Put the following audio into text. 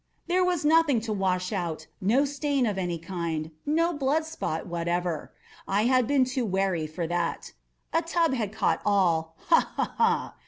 There was nothing to wash out—no stain of any kind—no blood spot whatever. I had been too wary for that. A tub had caught all—ha! ha!